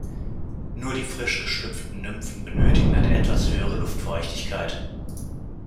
Nur die frisch geschlüpften Nymphen benötigen eine etwas höhere Luftfeuchtigkeit.